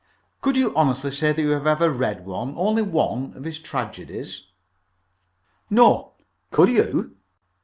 "Could you honestly say that you have ever read one only one of his tragedies?" "No. Could you?"